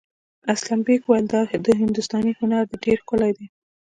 اسلم بېگ وویل دا هندوستاني هنر دی ډېر ښکلی دی.